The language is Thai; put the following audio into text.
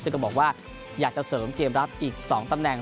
ซึ่งก็บอกว่าอยากจะเสริมเกมรับอีก๒ตำแหน่ง